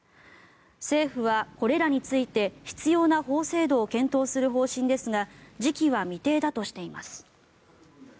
政府は、これらについて必要な法制度を検討する方針ですが時期は未定だとしています。